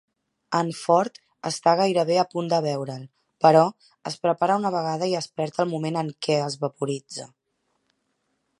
En Ford està gairebé a punt de veure'l, però es prepara una vegada i es perd el moment en què es vaporitza.